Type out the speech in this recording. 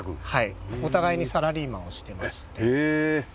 お互いにサラリーマンをしてました。